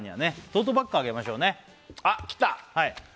トートバッグあげましょうねあっきた！